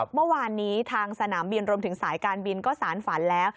เมื่อวานนี้ทางสนามบินรวมถึงสายการบินก็สารฝันแล้ว